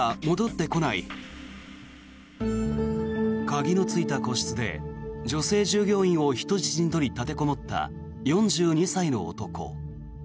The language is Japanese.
鍵のついた個室で女性従業員を人質に取り、立てこもった４２歳の男。